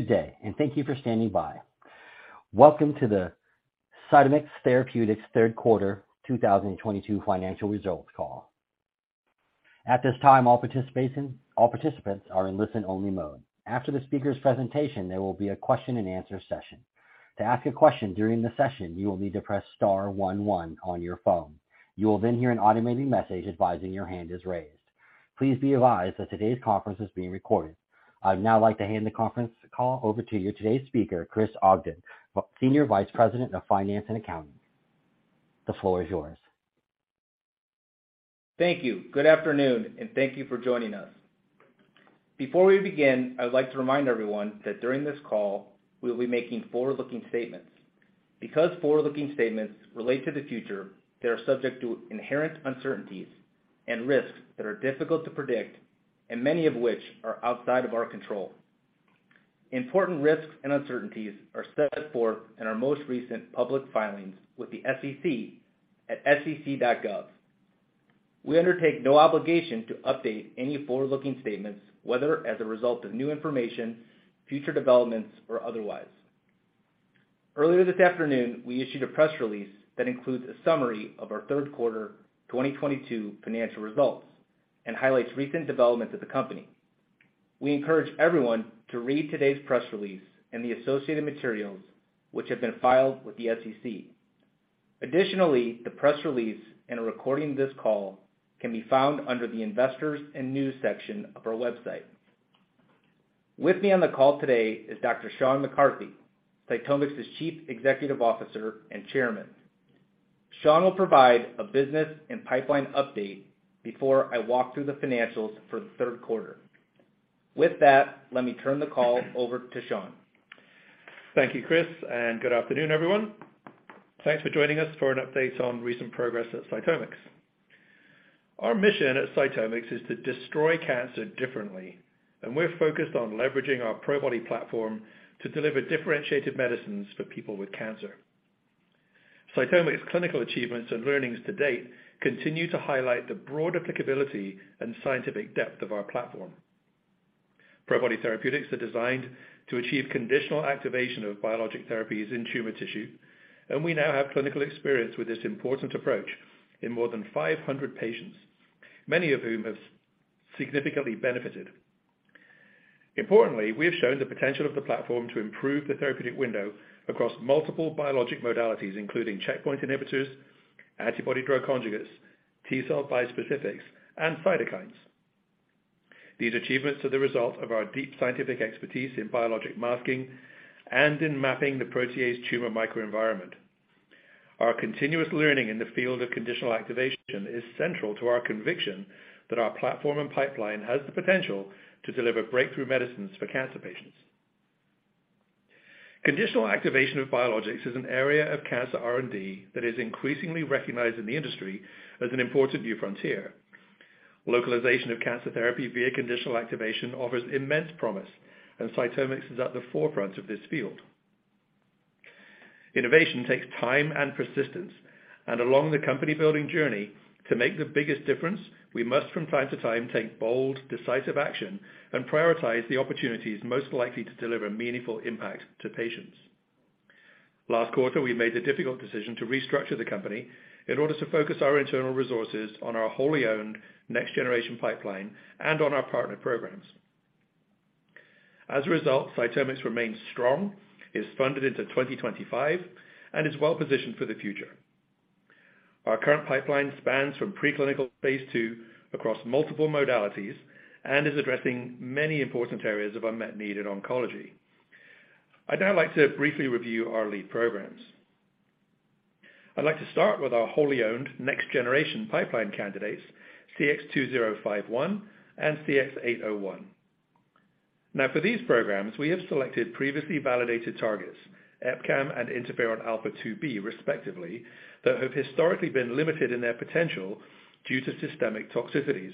Good day, and thank you for standing by. Welcome to the CytomX Therapeutics third quarter 2022 financial results call. At this time, all participants are in listen-only mode. After the speaker's presentation, there will be a question-and-answer session. To ask a question during the session, you will need to press Star one one on your phone. You will then hear an automated message advising your hand is raised. Please be advised that today's conference is being recorded. I'd now like to hand the conference call over to today's speaker, Chris Ogden, Senior Vice President of Finance and Accounting. The floor is yours. Thank you. Good afternoon, and thank you for joining us. Before we begin, I would like to remind everyone that during this call, we'll be making forward-looking statements. Because forward-looking statements relate to the future, they are subject to inherent uncertainties and risks that are difficult to predict and many of which are outside of our control. Important risks and uncertainties are set forth in our most recent public filings with the SEC at sec.gov. We undertake no obligation to update any forward-looking statements, whether as a result of new information, future developments, or otherwise. Earlier this afternoon, we issued a press release that includes a summary of our third quarter 2022 financial results and highlights recent developments of the company. We encourage everyone to read today's press release and the associated materials which have been filed with the SEC. Additionally, the press release and a recording of this call can be found under the investors and news section of our website. With me on the call today is Dr. Sean McCarthy, CytomX's Chief Executive Officer and Chairman. Sean will provide a business and pipeline update before I walk through the financials for the third quarter. With that, let me turn the call over to Sean. Thank you, Chris, and good afternoon, everyone. Thanks for joining us for an update on recent progress at CytomX. Our mission at CytomX is to destroy cancer differently, and we're focused on leveraging our Probody platform to deliver differentiated medicines for people with cancer. CytomX clinical achievements and learnings to date continue to highlight the broad applicability and scientific depth of our platform. Probody therapeutics are designed to achieve conditional activation of biologic therapies in tumor tissue, and we now have clinical experience with this important approach in more than 500 patients, many of whom have significantly benefited. Importantly, we have shown the potential of the platform to improve the therapeutic window across multiple biologic modalities, including checkpoint inhibitors, antibody drug conjugates, T-cell bispecifics, and cytokines. These achievements are the result of our deep scientific expertise in biologic masking and in mapping the protease tumor microenvironment. Our continuous learning in the field of conditional activation is central to our conviction that our platform and pipeline has the potential to deliver breakthrough medicines for cancer patients. Conditional activation of biologics is an area of cancer R&D that is increasingly recognized in the industry as an important new frontier. Localization of cancer therapy via conditional activation offers immense promise, and CytomX is at the forefront of this field. Innovation takes time and persistence. Along the company-building journey, to make the biggest difference, we must from time to time, take bold, decisive action and prioritize the opportunities most likely to deliver meaningful impact to patients. Last quarter, we made the difficult decision to restructure the company in order to focus our internal resources on our wholly-owned next generation pipeline and on our partner programs. As a result, CytomX remains strong, is funded into 2025, and is well-positioned for the future. Our current pipeline spans from preclinical phase II across multiple modalities and is addressing many important areas of unmet need in oncology. I'd now like to briefly review our lead programs. I'd like to start with our wholly owned next generation pipeline candidates, CX-2051 and CX-801. Now for these programs, we have selected previously validated targets, EpCAM and interferon alfa-2b, respectively, that have historically been limited in their potential due to systemic toxicities.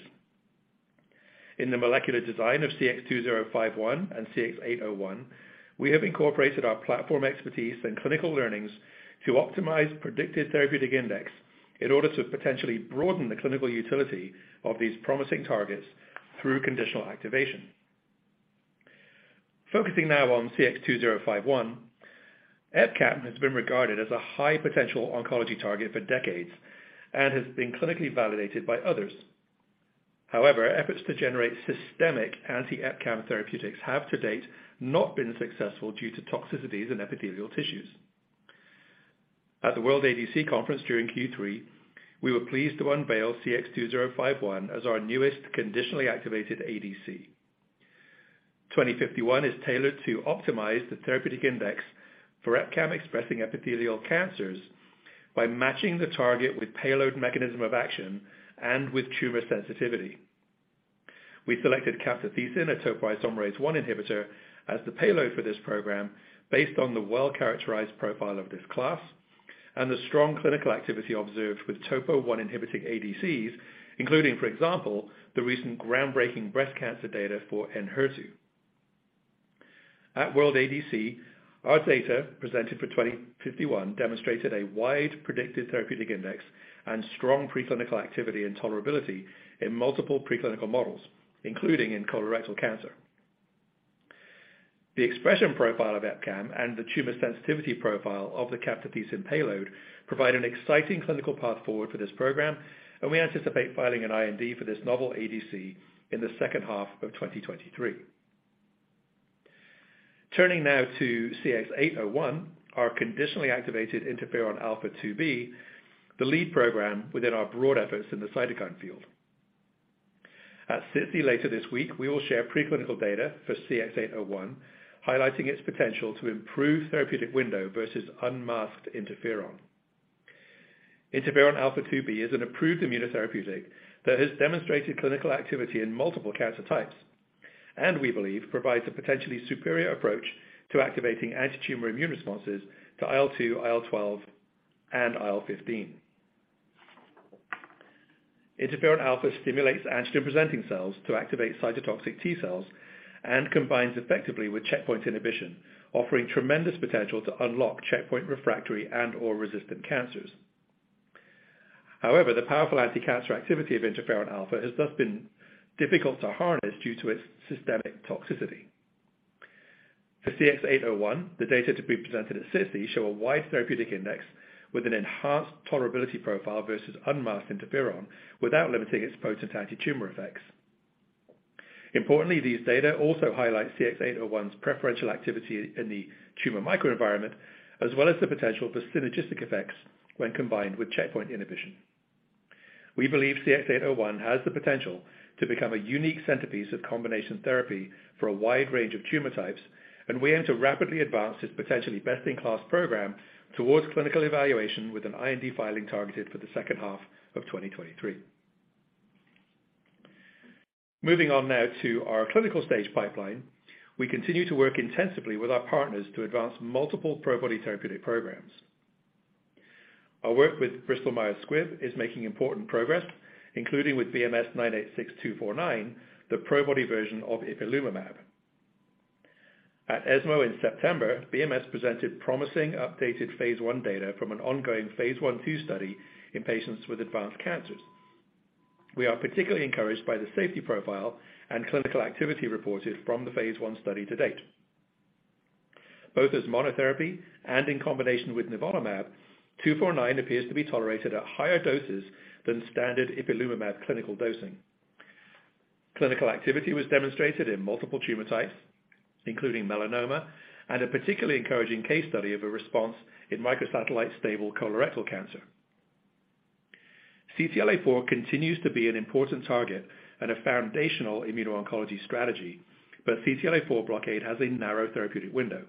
In the molecular design of CX-2051 and CX-801, we have incorporated our platform expertise and clinical learnings to optimize predicted therapeutic index in order to potentially broaden the clinical utility of these promising targets through conditional activation. Focusing now on CX-2051, EpCAM has been regarded as a high potential oncology target for decades and has been clinically validated by others. However, efforts to generate systemic anti-EpCAM therapeutics have to date not been successful due to toxicities in epithelial tissues. At the World ADC conference during Q3, we were pleased to unveil CX-2051 as our newest conditionally activated ADC. 2051 is tailored to optimize the therapeutic index for EpCAM expressing epithelial cancers by matching the target with payload mechanism of action and with tumor sensitivity. We selected camptothecin, a topoisomerase 1 inhibitor, as the payload for this program based on the well-characterized profile of this class and the strong clinical activity observed with Topo 1 inhibiting ADCs, including, for example, the recent groundbreaking breast cancer data for Enhertu. At World ADC, our data presented for CX-2051 demonstrated a wide predicted therapeutic index and strong preclinical activity and tolerability in multiple preclinical models, including in colorectal cancer. The expression profile of EpCAM and the tumor sensitivity profile of the camptothecin payload provide an exciting clinical path forward for this program, and we anticipate filing an IND for this novel ADC in the second half of 2023. Turning now to CX-801, our conditionally activated interferon alfa-2b, the lead program within our broad efforts in the cytokine field. At SITC later this week, we will share preclinical data for CX-801, highlighting its potential to improve therapeutic window versus unmasked interferon. Interferon alfa-2b is an approved immunotherapeutic that has demonstrated clinical activity in multiple cancer types, and we believe provides a potentially superior approach to activating antitumor immune responses to IL-2, IL-12, and IL-15. Interferon alpha stimulates antigen-presenting cells to activate cytotoxic T-cells and combines effectively with checkpoint inhibition, offering tremendous potential to unlock checkpoint refractory and/or resistant cancers. However, the powerful anticancer activity of interferon alpha has thus been difficult to harness due to its systemic toxicity. For CX-801, the data to be presented at SITC show a wide therapeutic index with an enhanced tolerability profile versus unmasked interferon without limiting its potent antitumor effects. Importantly, these data also highlight CX-801's preferential activity in the tumor microenvironment, as well as the potential for synergistic effects when combined with checkpoint inhibition. We believe CX-801 has the potential to become a unique centerpiece of combination therapy for a wide range of tumor types, and we aim to rapidly advance this potentially best-in-class program towards clinical evaluation with an IND filing targeted for the second half of 2023. Moving on now to our Clinical Stage Pipeline. We continue to work intensively with our partners to advance multiple Probody therapeutic programs. Our work with Bristol Myers Squibb is making important progress, including with BMS-986249, the Probody version of ipilimumab. At ESMO in September, BMS presented promising updated phase I data from an ongoing phase I/II study in patients with advanced cancers. We are particularly encouraged by the safety profile and clinical activity reported from the phase I study to date. Both as monotherapy and in combination with nivolumab, 249 appears to be tolerated at higher doses than standard ipilimumab clinical dosing. Clinical activity was demonstrated in multiple tumor types, including melanoma and a particularly encouraging case study of a response in microsatellite stable colorectal cancer. CTLA-4 continues to be an important target and a foundational immuno-oncology strategy, but CTLA-4 blockade has a narrow therapeutic window.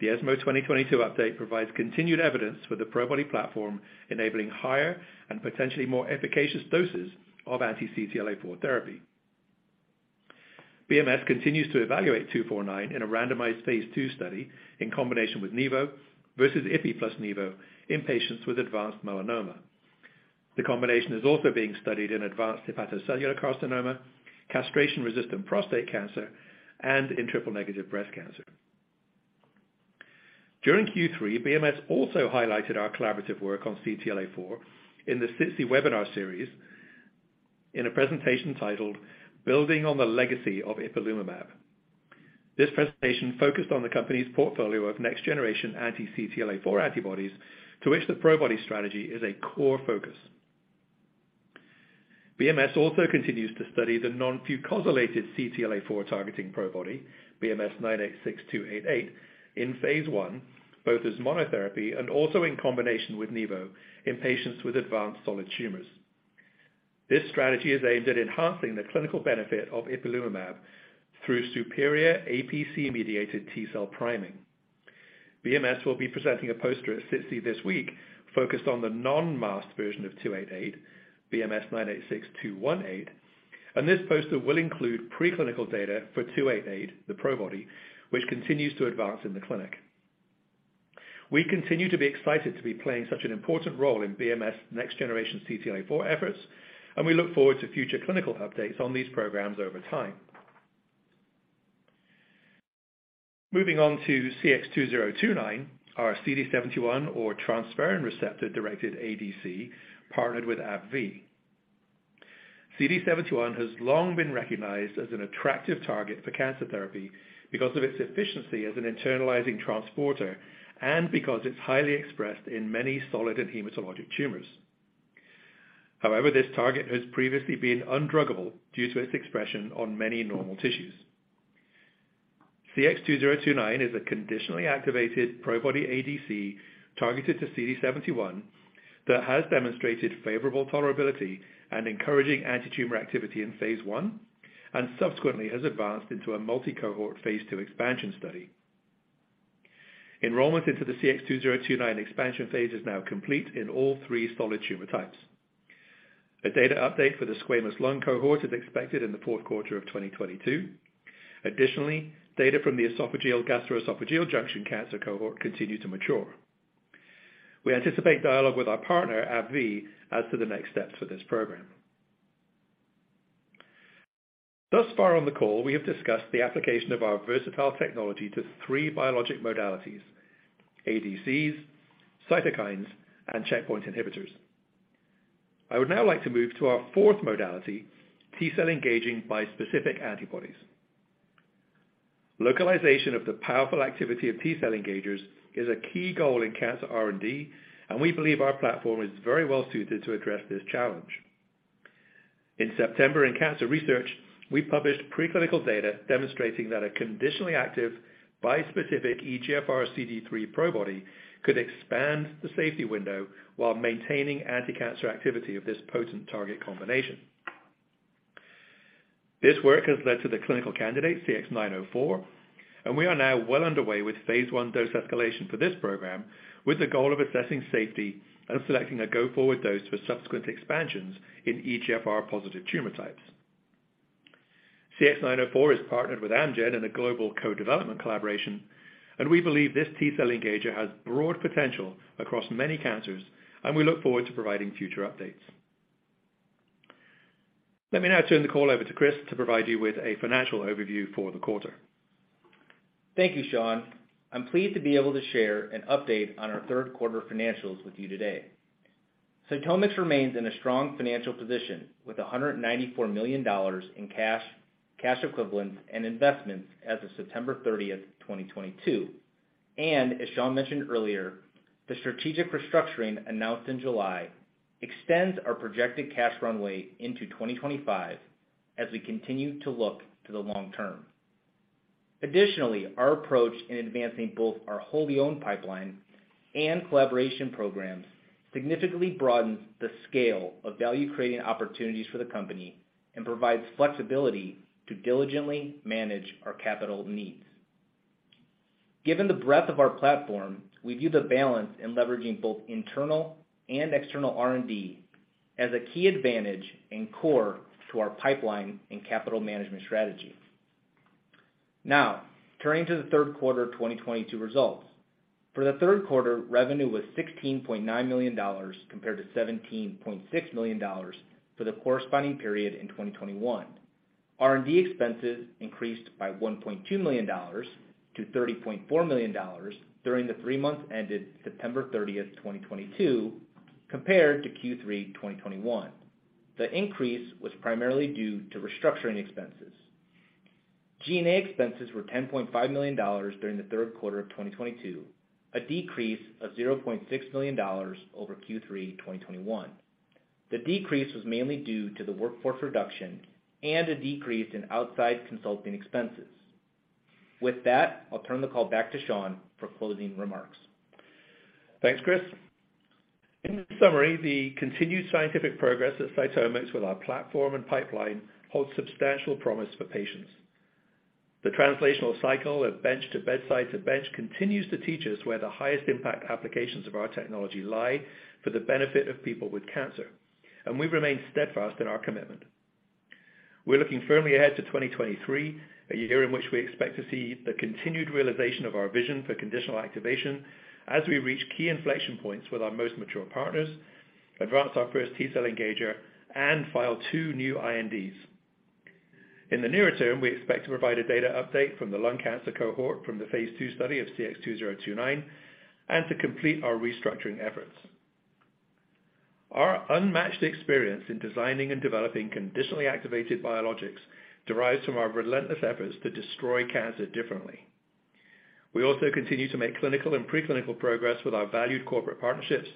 The ESMO 2022 update provides continued evidence for the Probody platform, enabling higher and potentially more efficacious doses of anti-CTLA-4 therapy. BMS continues to evaluate BMS-986249 in a randomized phase II study in combination with Nivo versus Ipi plus Nivo in patients with advanced melanoma. The combination is also being studied in advanced hepatocellular carcinoma, castration-resistant prostate cancer, and in triple-negative breast cancer. During Q3, BMS also highlighted our collaborative work on CTLA-4 in the SITC webinar series in a presentation titled Building on the Legacy of ipilimumab. This presentation focused on the company's portfolio of next-generation anti-CTLA-4 antibodies, to which the Probody strategy is a core focus. BMS also continues to study the non-fucosylated CTLA-4 targeting Probody, BMS-986288, in phase I, both as monotherapy and also in combination with Nivo in patients with advanced solid tumors. This strategy is aimed at enhancing the clinical benefit of ipilimumab through superior APC-mediated T-cell priming. BMS will be presenting a poster at SITC this week focused on the non-masked version of 288, BMS-986218, and this poster will include preclinical data for 288, the Probody, which continues to advance in the clinic. We continue to be excited to be playing such an important role in BMS next-generation CTLA-4 efforts, and we look forward to future clinical updates on these programs over time. Moving on to CX-2029, our CD71 or transferrin receptor-directed ADC partnered with AbbVie. CD71 has long been recognized as an attractive target for cancer therapy because of its efficiency as an internalizing transporter and because it's highly expressed in many solid and hematologic tumors. However, this target has previously been undruggable due to its expression on many normal tissues. CX-2029 is a conditionally activated Probody ADC targeted to CD71 that has demonstrated favorable tolerability and encouraging antitumor activity in phase I and subsequently has advanced into a multi-cohort phase II expansion study. Enrollment into the CX-2029 expansion phase is now complete in all three solid tumor types. A data update for the squamous lung cohort is expected in the fourth quarter of 2022. Additionally, data from the esophageal gastroesophageal junction cancer cohort continue to mature. We anticipate dialogue with our partner, AbbVie, as to the next steps for this program. Thus far on the call, we have discussed the application of our versatile technology to three biologic modalities: ADCs, cytokines, and checkpoint inhibitors. I would now like to move to our fourth modality, T-cell engaging bispecific antibodies. Localization of the powerful activity of T-cell engagers is a key goal in cancer R&D, and we believe our platform is very well suited to address this challenge. In September, in cancer research, we published preclinical data demonstrating that a conditionally active bispecific EGFR CD3 Probody could expand the safety window while maintaining anticancer activity of this potent target combination. This work has led to the clinical candidate CX-904, and we are now well underway with phase I dose escalation for this program, with the goal of assessing safety and selecting a go-forward dose for subsequent expansions in EGFR-positive tumor types. CX-904 is partnered with Amgen in a global co-development collaboration, and we believe this T-cell engager has broad potential across many cancers, and we look forward to providing future updates. Let me now turn the call over to Chris to provide you with a financial overview for the quarter. Thank you, Sean. I'm pleased to be able to share an update on our third quarter financials with you today. CytomX remains in a strong financial position with $194 million in cash equivalents, and investments as of September 30th, 2022. As Sean mentioned earlier, the strategic restructuring announced in July extends our projected cash runway into 2025 as we continue to look to the long-term. Additionally, our approach in advancing both our wholly owned pipeline and collaboration programs significantly broadens the scale of value-creating opportunities for the company and provides flexibility to diligently manage our capital needs. Given the breadth of our platform, we view the balance in leveraging both internal and external R&D as a key advantage and core to our pipeline and capital management strategy. Now, turning to the third quarter of 2022 results. For the third quarter, revenue was $16.9 million, compared to $17.6 million for the corresponding period in 2021. R&D expenses increased by $1.2 million to $30.4 million during the three months ended September 30th, 2022, compared to Q3 2021. The increase was primarily due to restructuring expenses. G&A expenses were $10.5 million during the third quarter of 2022, a decrease of $0.6 million over Q3 2021. The decrease was mainly due to the workforce reduction and a decrease in outside consulting expenses. With that, I'll turn the call back to Sean for closing remarks. Thanks, Chris. In summary, the continued scientific progress at CytomX with our platform and pipeline holds substantial promise for patients. The translational cycle of bench to bedside to bench continues to teach us where the highest impact applications of our technology lie for the benefit of people with cancer, and we remain steadfast in our commitment. We're looking firmly ahead to 2023, a year in which we expect to see the continued realization of our vision for conditional activation as we reach key inflection points with our most mature partners, advance our first T-cell engager, and file two new INDs. In the nearer-term, we expect to provide a data update from the lung cancer cohort from the phase II study of CX-2029 and to complete our restructuring efforts. Our unmatched experience in designing and developing conditionally activated biologics derives from our relentless efforts to destroy cancer differently. We also continue to make clinical and preclinical progress with our valued corporate partnerships,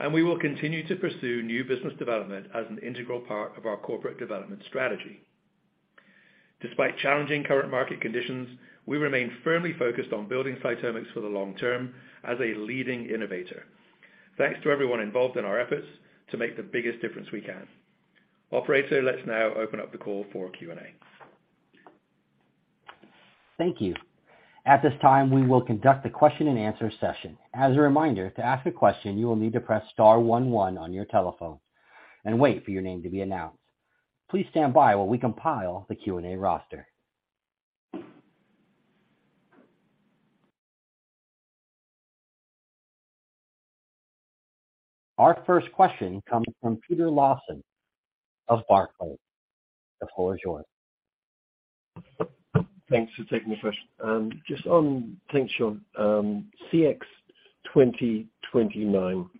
and we will continue to pursue new business development as an integral part of our corporate development strategy. Despite challenging current market conditions, we remain firmly focused on building CytomX for the long-term as a leading innovator. Thanks to everyone involved in our efforts to make the biggest difference we can. Operator, let's now open up the call for Q&A. Thank you. At this time, we will conduct a question-and-answer session. As a reminder, to ask a question, you will need to press Star one one on your telephone and wait for your name to be announced. Please stand by while we compile the Q&A roster. Our first question comes from Peter Lawson of Barclays. The floor is yours. Thanks for taking the question. Thanks, Sean. CX-2029,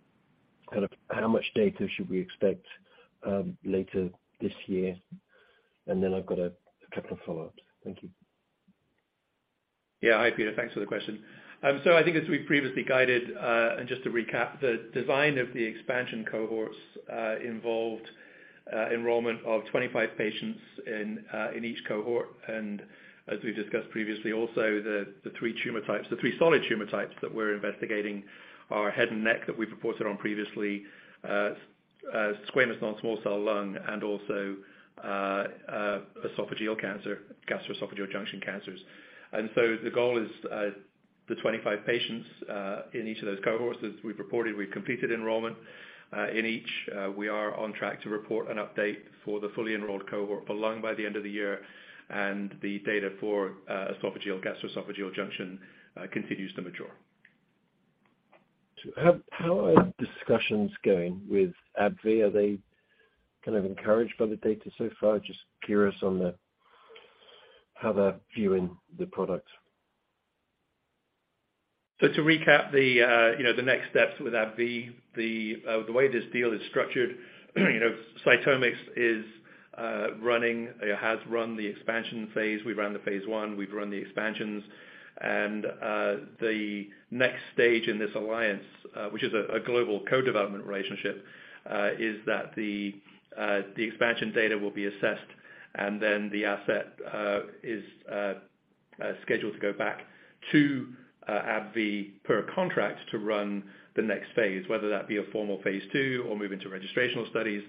kind of how much data should we expect later this year? I've got a couple of follow-ups. Thank you. Yeah. Hi, Peter. Thanks for the question. So I think as we previously guided, and just to recap, the design of the expansion cohorts involved enrollment of 25 patients in each cohort. As we've discussed previously also, the three tumor types, the three solid tumor types that we're investigating are head and neck that we reported on previously, squamous non-small cell lung cancer, and esophageal cancer, gastroesophageal junction cancers. The goal is the 25 patients in each of those cohorts as we've reported, we've completed enrollment in each. We are on track to report an update for the fully enrolled cohort for lung by the end of the year, and the data for esophageal, gastroesophageal junction continues to mature. How are discussions going with AbbVie? Are they kind of encouraged by the data so far? Just curious on the, how they're viewing the product. To recap, you know, the next steps with AbbVie, the way this deal is structured, you know, CytomX is running or has run the expansion phase. We ran the phase I, we've run the expansions. The next stage in this alliance, which is a global co-development relationship, is that the expansion data will be assessed and then the asset is scheduled to go back to AbbVie per contract to run the next phase, whether that be a formal phase II or move into registrational studies.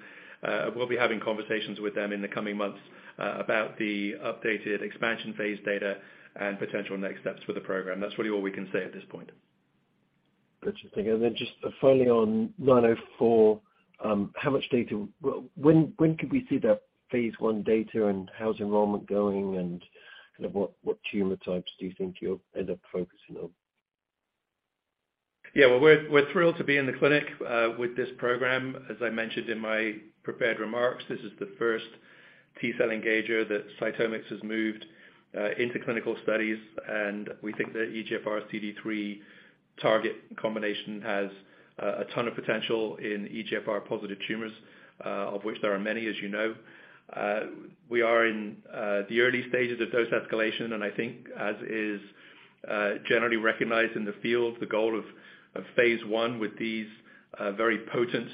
We'll be having conversations with them in the coming months about the updated expansion phase data and potential next steps for the program. That's really all we can say at this point. Got you. Thank you. Just finally on 904, how much data, when could we see the phase I data, and how's enrollment going? Kind of what tumor types do you think you'll end up focusing on? Yeah. Well, we're thrilled to be in the clinic with this program. As I mentioned in my prepared remarks, this is the first T-cell engager that CytomX has moved into clinical studies. We think the EGFR CD3 target combination has a ton of potential in EGFR-positive tumors of which there are many, as you know. We are in the early stages of dose escalation, and I think as is generally recognized in the field, the goal of phase I with these very potent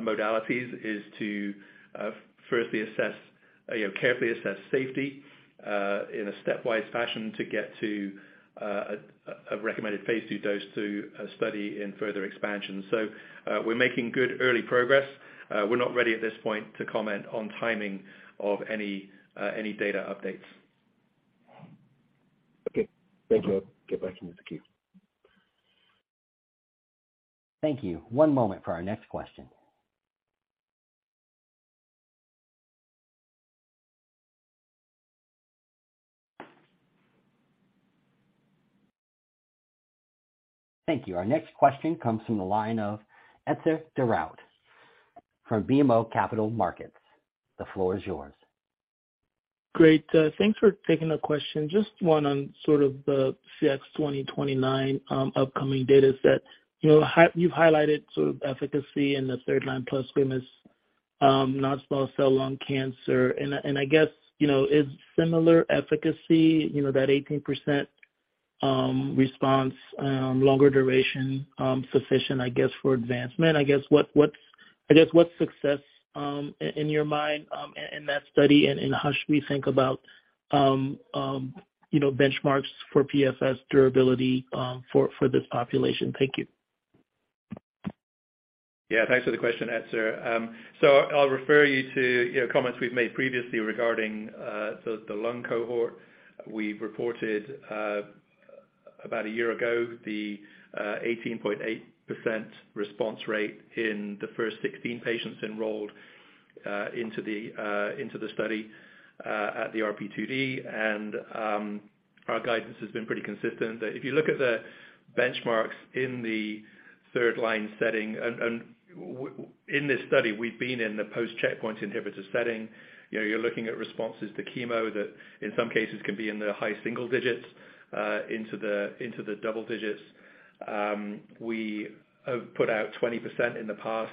modalities is to firstly assess, you know, carefully assess safety in a stepwise fashion to get to a recommended phase II dose to study in further expansion. We're making good early progress. We're not ready at this point to comment on timing of any data updates. Okay. Thank you. Get back into the queue. Thank you. One moment for our next question. Thank you. Our next question comes from the line of Etzer Darout from BMO Capital Markets. The floor is yours. Great. Thanks for taking the question. Just one on sort of the CX-2029, upcoming data set. You know, you've highlighted sort of efficacy in the third line plus gemcitabine, non-small cell lung cancer. I guess, you know, is similar efficacy, you know, that 18% response, longer duration, sufficient I guess for advancement? I guess what's success in your mind in that study, and how should we think about, you know, benchmarks for PFS durability for this population? Thank you. Yeah. Thanks for the question, Etzer. So I'll refer you to, you know, comments we've made previously regarding so the lung cohort. We reported about a year ago the 18.8% response rate in the first 16 patients enrolled into the study at the RP2D. Our guidance has been pretty consistent that if you look at the benchmarks in the third line setting and in this study, we've been in the post-checkpoint inhibitor setting. You know, you're looking at responses to chemo that in some cases can be in the high single digits into the double-digits. We have put out 20% in the past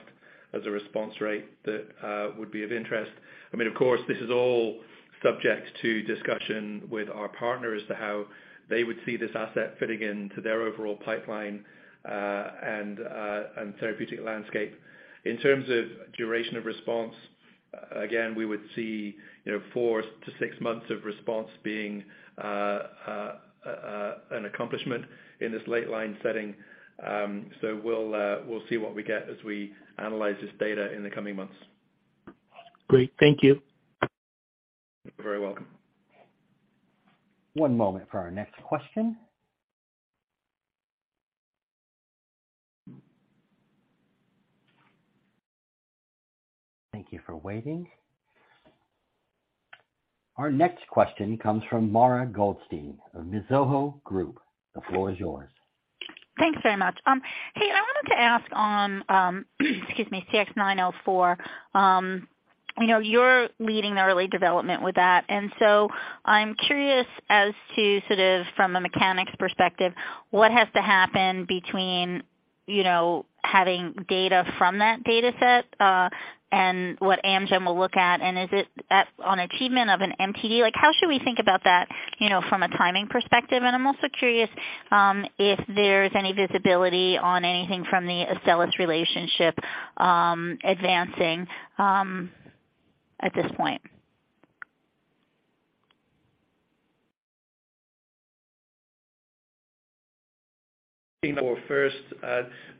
as a response rate that would be of interest. I mean, of course, this is all subject to discussion with our partner as to how they would see this asset fitting into their overall pipeline and therapeutic landscape. In terms of duration of response, again, we would see, you know, 4-6 months of response being an accomplishment in this late line setting. We'll see what we get as we analyze this data in the coming months. Great. Thank you. You're very welcome. One moment for our next question. Thank you for waiting. Our next question comes from Mara Goldstein of Mizuho Group. The floor is yours. Thanks very much. Hey, I wanted to ask on, excuse me, CX-904. You know, you're leading the early development with that, and so I'm curious as to sort of from a mechanics perspective, what has to happen between, you know, having data from that data set, and what Amgen will look at? And is it at on achievement of an MTD? Like, how should we think about that, you know, from a timing perspective? And I'm also curious, if there's any visibility on anything from the Astellas relationship, advancing, at this point. First,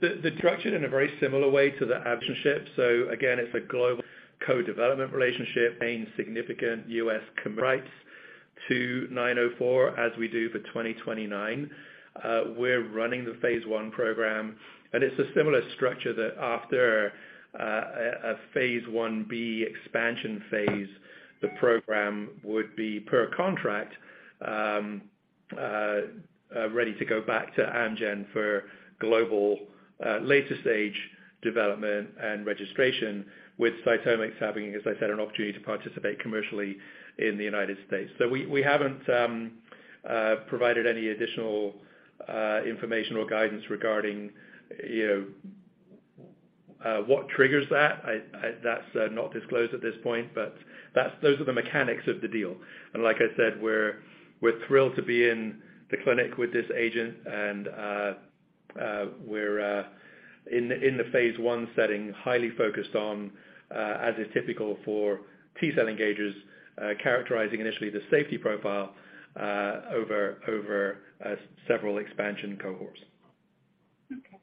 it's structured in a very similar way to the AbbVie relationship. Again, it's a global co-development relationship, providing significant U.S. rights to 904 as we do for 2029. We're running the phase I program, and it's a similar structure that after a phase I-B expansion phase, the program would be per contract ready to go back to Amgen for global later stage development and registration with CytomX having, as I said, an opportunity to participate commercially in the United States. We haven't provided any additional information or guidance regarding, you know, what triggers that? That's not disclosed at this point, but those are the mechanics of the deal. Like I said, we're thrilled to be in the clinic with this agent and we're in the phase I setting, highly focused on, as is typical for T-cell engagers, characterizing initially the safety profile over several expansion cohorts. Okay.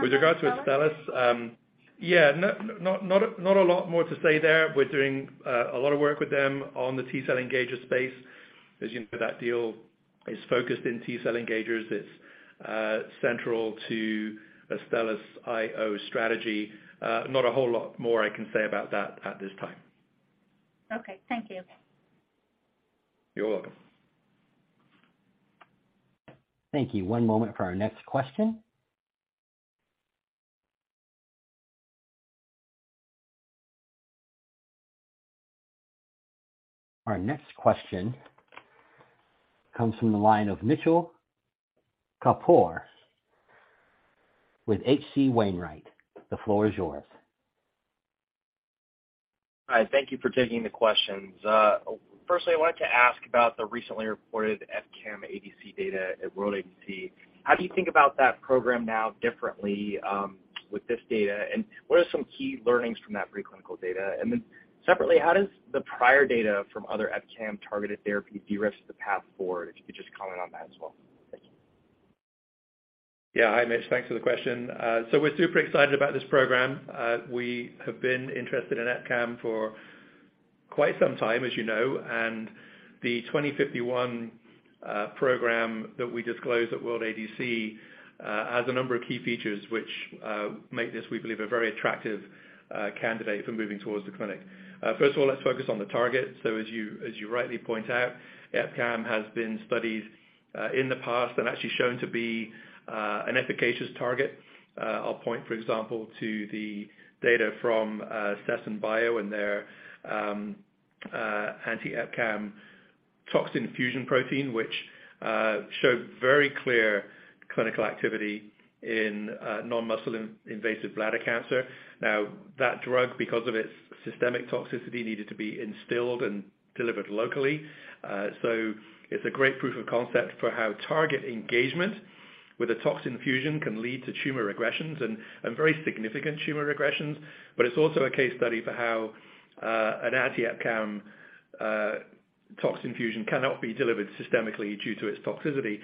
With regards to Astellas, not a lot more to say there. We're doing a lot of work with them on the T-cell engager space. As you know, that deal is focused in T-cell engagers. It's central to Astellas IO strategy. Not a whole lot more I can say about that at this time. Okay. Thank you. You're welcome. Thank you. One moment for our next question. Our next question comes from the line of Mitchell Kapoor with H.C. Wainwright. The floor is yours. Hi. Thank you for taking the questions. Firstly, I wanted to ask about the recently reported EpCAM ADC data at World ADC. How do you think about that program now differently, with this data? And what are some key learnings from that pre-clinical data? And then separately, how does the prior data from other EpCAM-targeted therapy de-risk the path forward, if you could just comment on that as well? Thank you. Yeah. Hi, Mitch. Thanks for the question. We're super excited about this program. We have been interested in EpCAM for quite some time, as you know. The 2051 program that we disclosed at World ADC has a number of key features which make this, we believe, a very attractive candidate for moving towards the clinic. First of all, let's focus on the target. As you rightly point out, EpCAM has been studied in the past and actually shown to be an efficacious target. I'll point, for example, to the data from Sesen Bio and their anti-EpCAM toxin fusion protein, which showed very clear clinical activity in non-muscle-invasive bladder cancer. Now, that drug, because of its systemic toxicity, needed to be instilled and delivered locally. It's a great proof of concept for how target engagement with a toxin fusion can lead to tumor regressions and very significant tumor regressions. It's also a case study for how an anti-EpCAM toxin fusion cannot be delivered systemically due to its toxicity.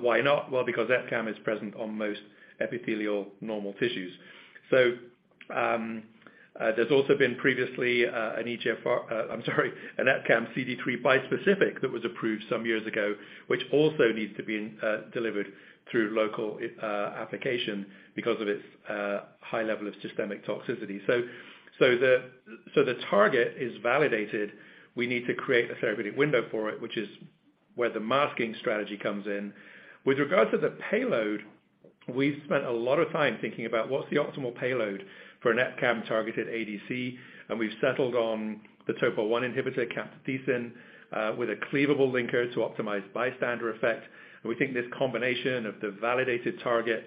Why not? Well, because EpCAM is present on most epithelial normal tissues. There's also been previously an EpCAM CD3 bispecific that was approved some years ago, which also needs to be delivered through local application because of its high level of systemic toxicity. The target is validated. We need to create a therapeutic window for it, which is where the masking strategy comes in. With regards to the payload, we've spent a lot of time thinking about what's the optimal payload for an EpCAM-targeted ADC, and we've settled on the Topo 1 inhibitor, camptothecin, with a cleavable linker to optimize bystander effect. We think this combination of the validated target,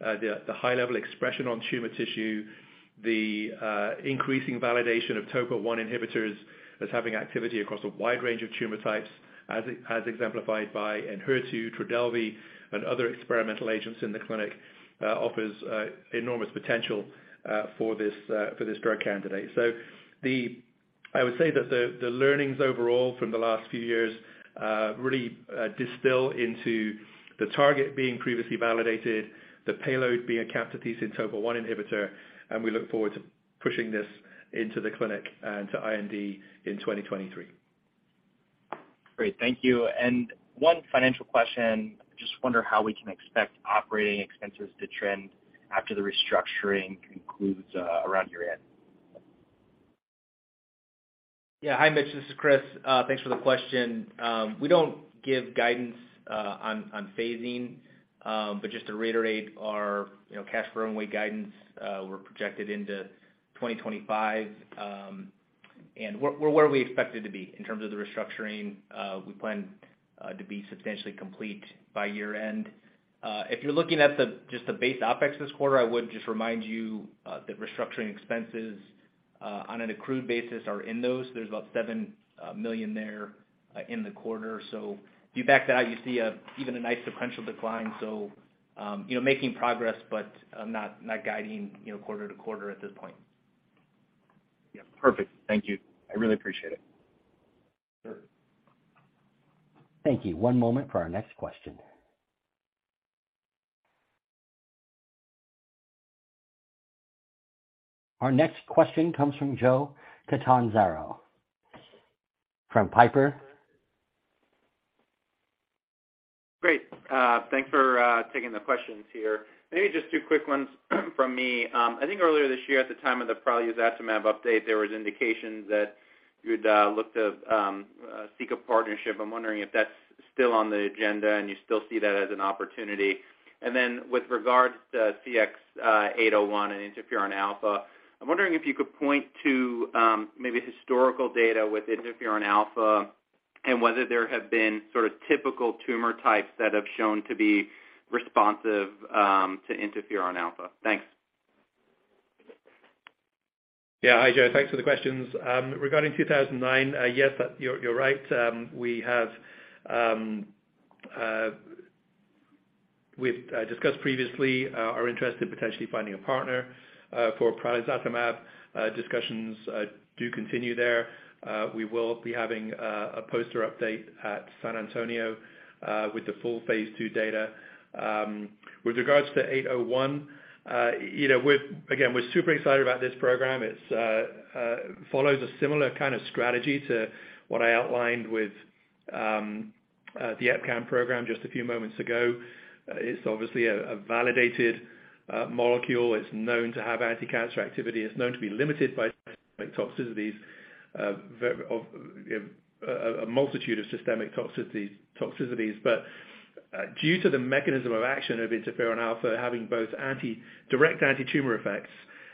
the high level expression on tumor tissue, the increasing validation of Topo 1 inhibitors as having activity across a wide range of tumor types as exemplified by Enhertu, Trodelvy, and other experimental agents in the clinic, offers enormous potential for this drug candidate. The I would say that the learnings overall from the last few years really distill into the target being previously validated, the payload being a camptothecin Topo 1 inhibitor, and we look forward to pushing this into the clinic and to IND in 2023. Great. Thank you. One financial question. Just wonder how we can expect operating expenses to trend after the restructuring concludes, around year-end? Yeah. Hi, Mitch. This is Chris. Thanks for the question. We don't give guidance on phasing. Just to reiterate our, you know, cash burn rate guidance, we're projected into 2025, and we're where we expected to be in terms of the restructuring. We plan to be substantially complete by year-end. If you're looking at just the base OpEx this quarter, I would just remind you that restructuring expenses on an accrued basis are in those. There's about $7 million there in the quarter. If you back that out, you see an even nice sequential decline. You know, making progress but not guiding quarter to quarter at this point. Yeah. Perfect. Thank you. I really appreciate it. Sure. Thank you. One moment for our next question. Our next question comes from Joe Catanzaro from Piper. Great. Thanks for taking the questions here. Maybe just two quick ones from me. I think earlier this year at the time of the praluzatamab, update, there was indications that you'd look to seek a partnership. I'm wondering if that's still on the agenda and you still see that as an opportunity. With regards to CX-801 and interferon alfa, I'm wondering if you could point to maybe historical data with interferon alfa. Whether there have been sort of typical tumor types that have shown to be responsive to interferon alpha. Thanks. Yeah. Hi, Joe. Thanks for the questions. Regarding 2009, yes, you're right. We've discussed previously our interest in potentially finding a partner for praluzatamab. Discussions do continue there. We will be having a poster update at San Antonio with the full phase II data. With regards to 801, you know, we're super excited about this program again. It follows a similar kind of strategy to what I outlined with the EpCAM program just a few moments ago. It's obviously a validated molecule. It's known to have anti-cancer activity. It's known to be limited by toxicities, you know, a multitude of systemic toxicities. Due to the mechanism of action of interferon alpha having both direct anti-tumor effects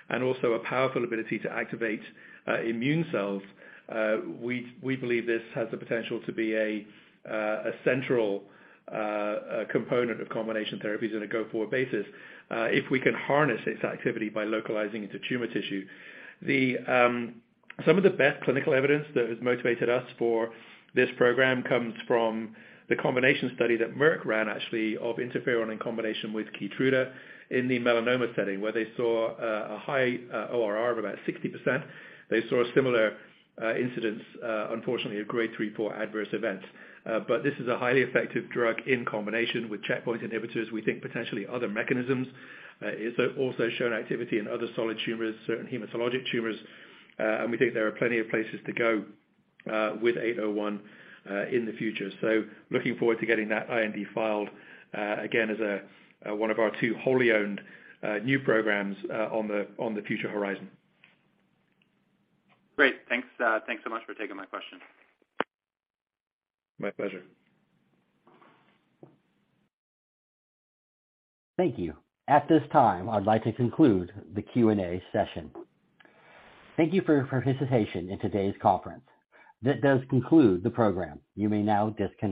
and also a powerful ability to activate immune cells, we believe this has the potential to be a central component of combination therapies on a go-forward basis, if we can harness its activity by localizing it to tumor tissue. Some of the best clinical evidence that has motivated us for this program comes from the combination study that Merck ran actually of interferon in combination with Keytruda in the melanoma setting, where they saw a high ORR of about 60%. They saw similar incidence, unfortunately, of Grade 3/4 adverse events. This is a highly effective drug in combination with checkpoint inhibitors. We think potentially other mechanisms. It's also shown activity in other solid tumors, certain hematologic tumors, and we think there are plenty of places to go with 801 in the future. Looking forward to getting that IND filed again as one of our two wholly owned new programs on the future horizon. Great. Thanks so much for taking my question. My pleasure. Thank you. At this time, I'd like to conclude the Q&A session. Thank you for your participation in today's conference. That does conclude the program. You may now disconnect.